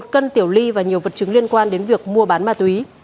một cân tiểu ly và nhiều vật chứng liên quan đến việc mua bán ma túy